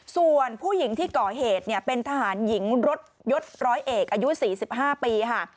ส่วนผู้หญิงที่ก่อเหตุเนี่ยเป็นทหารหญิงรถยศร้อยเอกอายุ๔๕ปีค่ะ